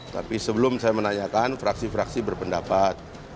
tapi sebelum saya menanyakan fraksi fraksi berpendapat